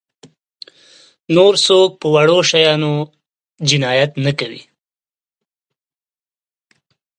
نور څوک په وړو شیانو جنایت نه کوي.